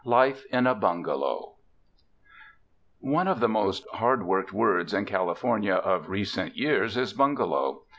Life in a Bungalow ONE of the most hard worked words in Cali fornia of recent years is bungalow.